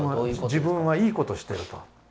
自分はいいことしていると。